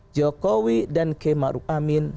jokowi dan kemaruk amin